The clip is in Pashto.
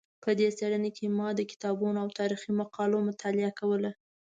په دې څېړنه کې ما د کتابونو او تاریخي مقالو مطالعه کوله.